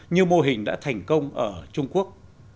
như mô hình đã thành công ở trung quốc